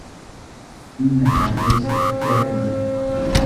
انها ليست كافيه